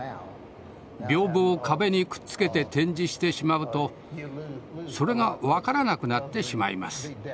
屏風を壁にくっつけて展示してしまうとそれが分からなくなってしまいます。